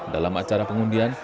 dalam acara pengundian